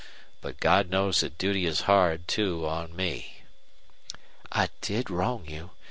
But God knows that duty is hard, too, on me." "I did wrong you.